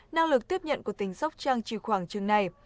năng lực tiếp nhận của tỉnh sóc trăng chỉ khoảng chừng này